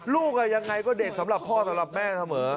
ลูกยังไงก็เด็กสำหรับพ่อสำหรับแม่เสมอ